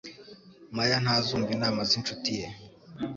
Mariya ntazumva inama z'inshuti ye